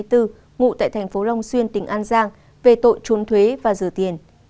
về tội trốn thuế và rửa tiền